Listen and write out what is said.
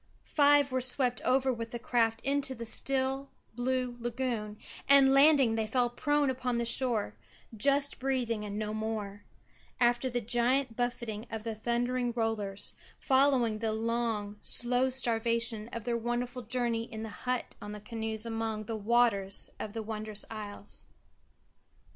Five were swept over with the craft into the still, blue lagoon, and landing they fell prone upon the shore, just breathing and no more, after the giant buffeting of the thundering rollers, following the long, slow starvation of their wonderful journey in the hut on the canoes among "the waters of the wondrous isles."